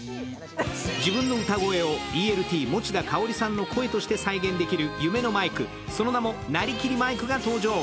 自分の歌声をＥＬＴ・持田香織さんの声として再現できる夢のマイク、その名もなりきりマイクが登場。